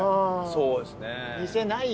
そうですね。